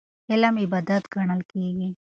علم عبادت ګڼل کېږي.